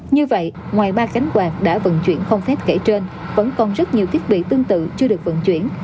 như vậy ngoài ba cánh quạt đã vận chuyển không phép kể trên vẫn còn rất nhiều thiết bị tương tự chưa được vận chuyển